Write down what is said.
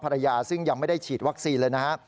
ภรรยาซึ่งยังไม่ได้ฉีดวัคซีนเลยนะฮะ